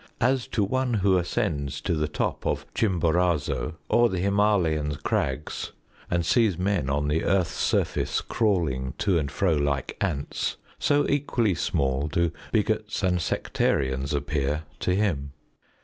As to one who ascends to the top of Chimborazo or the Him─ülayan crags, and sees men on the earth's surface crawling to and fro like ants, so equally small do bigots and sectarians appear to him.